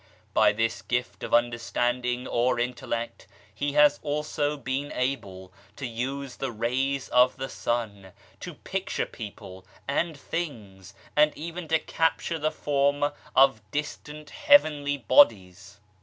By this gift of understanding or intellect, he has also been able to use the rays of the sun to picture people and things, and even to capture the form of distant heavenly bodies.